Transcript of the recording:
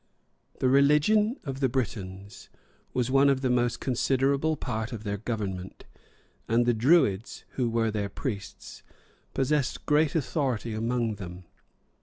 ] The religion of the Britons was one of the most considerable parts of their government; and the druids, who were their priests, possessed great authority among them.